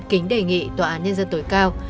kính đề nghị tòa án nhân dân tối cao